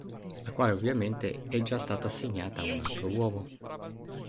La quale, ovviamente, è già stata assegnata a un altro uomo.